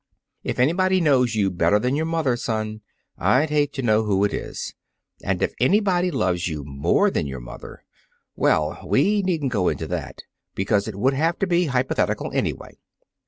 If anybody knows you better than your mother, son, I'd hate to know who it is. And if anybody loves you more than your mother well, we needn't go into that, because it would have to be hypothetical, anyway.